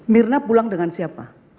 mirna pulang dengan siapa